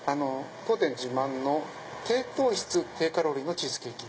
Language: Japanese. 当店自慢の低糖質低カロリーのチーズケーキ。